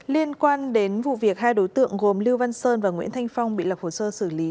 liên quan đến vụ việc hai đối tượng gồm lưu văn sơn và nguyễn thanh phong bị lập hồ sơ xử lý